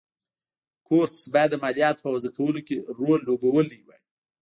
کورتس باید د مالیاتو په وضعه کولو کې رول لوبولی وای.